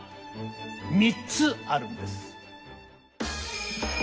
３つあるんです。